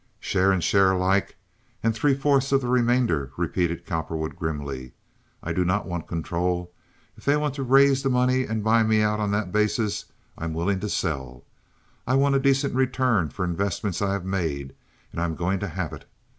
"Share and share alike, and three fourths of the remainder," repeated Cowperwood, grimly. "I do not want to control. If they want to raise the money and buy me out on that basis I am willing to sell. I want a decent return for investments I have made, and I am going to have it.